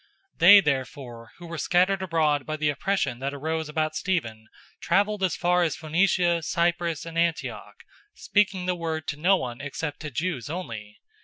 011:019 They therefore who were scattered abroad by the oppression that arose about Stephen traveled as far as Phoenicia, Cyprus, and Antioch, speaking the word to no one except to Jews only.